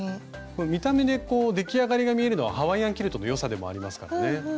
見た目でこう出来上がりが見えるのはハワイアンキルトの良さでもありますからね。